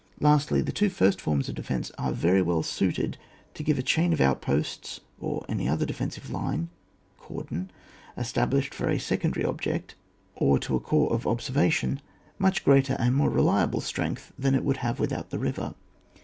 Lastly, the two first forms of defence are very well suited to give a chain of outposts, or any other defensive line (cor don) established for a secondary object. or to a corps of observation, much greater and more reliable strength than it would have without the river.